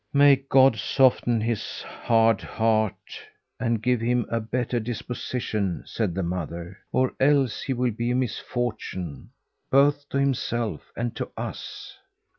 "May God soften his hard heart, and give him a better disposition!" said the mother, "or else he will be a misfortune, both to himself and to us."